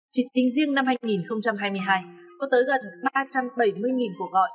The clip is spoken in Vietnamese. chính riêng năm hai nghìn hai mươi hai có tới gần ba trăm bảy mươi cuộc gọi